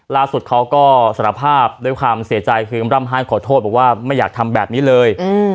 เขาก็สารภาพด้วยความเสียใจคือร่ำไห้ขอโทษบอกว่าไม่อยากทำแบบนี้เลย